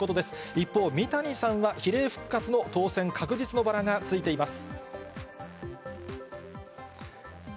一方、三谷さんは比例復活の当選確実のバラがついています。